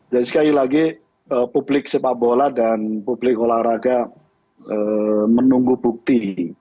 sekali lagi publik sepak bola dan publik olahraga menunggu bukti